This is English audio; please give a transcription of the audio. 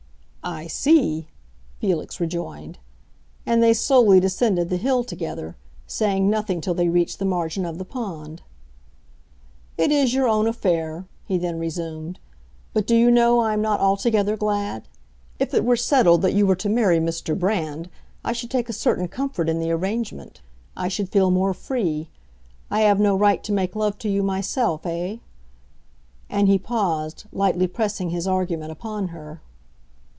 "I see!" Felix rejoined. And they slowly descended the hill together, saying nothing till they reached the margin of the pond. "It is your own affair," he then resumed; "but do you know, I am not altogether glad? If it were settled that you were to marry Mr. Brand I should take a certain comfort in the arrangement. I should feel more free. I have no right to make love to you myself, eh?" And he paused, lightly pressing his argument upon her.